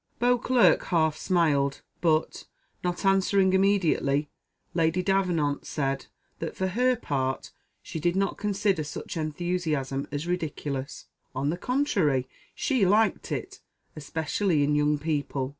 Beauclerc half smiled, but, not answering immediately, Lady Davenant said, that for her part she did not consider such enthusiasm as ridiculous; on the contrary, she liked it, especially in young people.